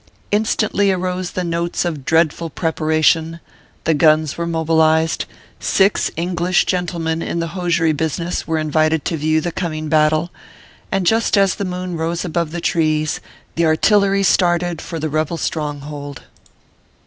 Instantly arose the notes of dreadful preparation ; the guns were mobilized, six English gentlemen in the hosiery business were invited to view the coming battle, and just as the moon rose above the trees, the artillery started for the rebel stronghold.